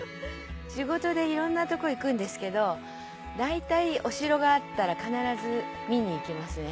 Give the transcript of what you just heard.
仕事でいろんなとこ行くんですけど大体お城があったら必ず見に行きますね。